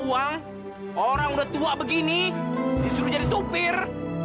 uang orang udah tua begini disuruh jadi sopir